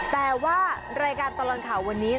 แต่ว่ารายการตลอดข่าววันนี้